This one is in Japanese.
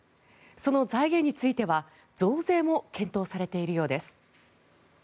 その財源については増税も検討されているようです。